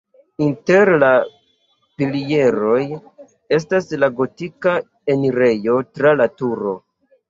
Inter la pilieroj estas la gotika enirejo tra la turo.